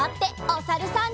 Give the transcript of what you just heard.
おさるさん。